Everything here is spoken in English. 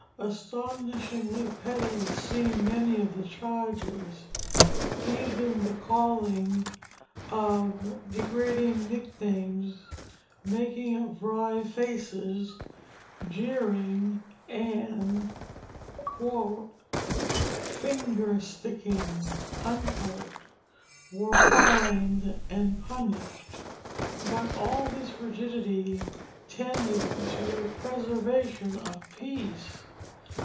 Astonishingly petty seem many of the charges; even the calling of degrading nicknames, making of wry faces, jeering, and "finger sticking" were fined and punished. But all this rigidity tended to a preservation of peace.